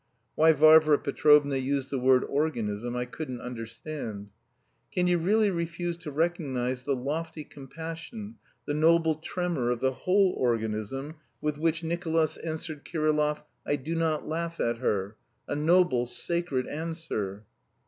(Why Varvara Petrovna used the word organism I couldn't understand.) "Can you really refuse to recognise the lofty compassion, the noble tremor of the whole organism with which Nicolas answered Kirillov: 'I do not laugh at her.' A noble, sacred answer!"